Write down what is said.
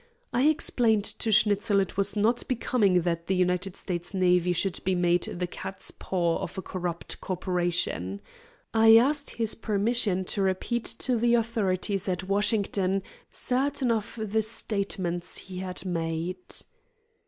I explained to Schnitzel it was not becoming that the United States navy should be made the cat's paw of a corrupt corporation. I asked his permission to repeat to the authorities at Washington certain of the statements he had made.